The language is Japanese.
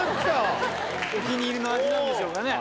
お気に入りの味なんでしょうかね？